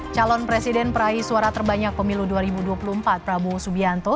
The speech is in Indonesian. calon presiden peraih suara terbanyak pemilu dua ribu dua puluh empat prabowo subianto